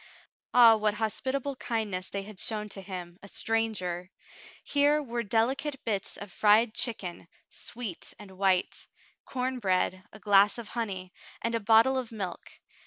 Ah, what hospitable kindness they had shown to him, a stranger ! Here were delicate bits of fried chicken, sweet and white, corn bread, a glass of honey, and a bottle of milk.